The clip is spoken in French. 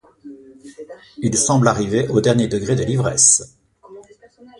Il semble arrivé au dernier degré de l’ivresse.